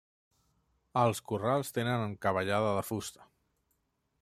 Els corrals tenen encavallada de fusta.